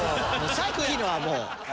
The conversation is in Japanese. さっきのはもう。